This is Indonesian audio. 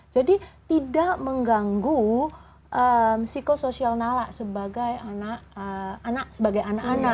jadi tidak mengganggu psikososial nala sebagai anak anak